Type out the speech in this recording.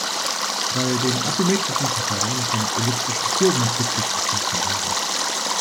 Bei den asymmetrischen Verfahren kommt Elliptische-Kurven-Kryptographie zum Einsatz.